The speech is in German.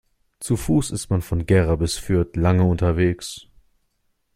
Zu Fuß ist man von Gera bis Fürth lange unterwegs